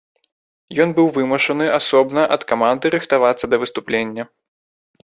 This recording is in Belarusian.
Ён быў вымушаны асобна ад каманды рыхтавацца да выступлення.